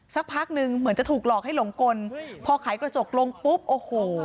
สักพักหนึ่งเหมือนจะถูกหลอกให้หลงกลพอไขกระจกลงปุ๊บโอ้โห